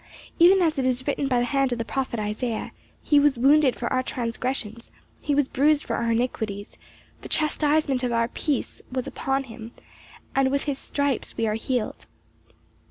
Even as it is written by the hand of the prophet Isaiah, 'He was wounded for our transgressions, he was bruised for our iniquities, the chastisement of our peace was upon him and with his stripes we are healed.